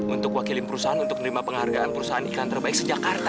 untuk wakili perusahaan untuk menerima penghargaan perusahaan ikan terbaik sejak karta